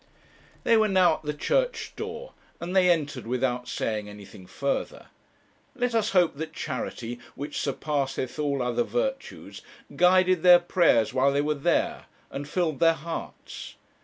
They were now at the church door, and they entered without saying anything further. Let us hope that charity, which surpasseth all other virtues, guided their prayers while they were there, and filled their hearts.